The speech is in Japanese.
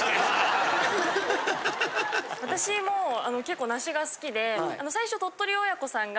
私も結構梨が好きで最初。